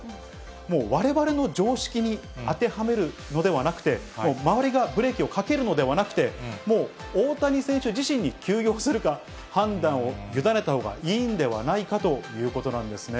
もう、われわれの常識に当てはめるのではなくて、もう周りがブレーキをかけるのではなくて、もう大谷選手自身に休養するか、判断をゆだねたほうがいいんではないかということなんですね。